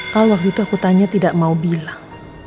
kalau waktu itu aku tanya tidak mau bilang